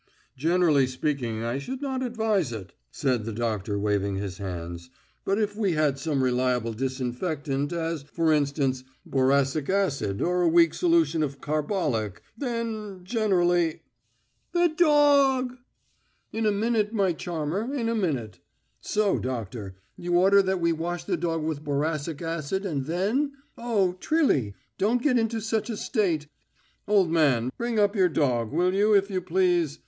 "Generally speaking, I should not advise it," said the doctor, waving his hands. "But if we had some reliable disinfectant as, for instance, boracic acid or a weak solution of carbolic, then ... generally ..." "The do og!" "In a minute, my charmer, in a minute. So, doctor, you order that we wash the dog with boracic acid, and then.... Oh, Trilly, don't get into such a state! Old man, bring up your dog, will you, if you please.